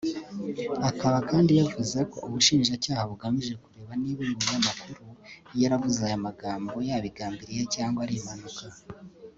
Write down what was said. Akaba kandi yavuze ko Ubushinjacyaha bugamije kureba niba uyu munyamakuru yaravuze aya magambo yabigambiriye cyangwa ari impanuka